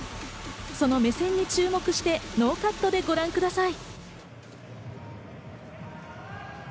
その目線に注目してノーカットでご覧ください。